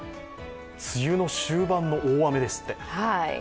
梅雨の終盤の大雨ですって。